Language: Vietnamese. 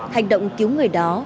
hành động cứu người đó